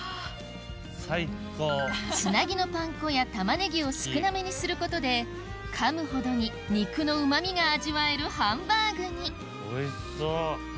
つなぎのパン粉や玉ねぎを少なめにすることでかむほどに肉のうまみが味わえるハンバーグにおいしそう。